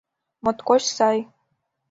Моткоч сай.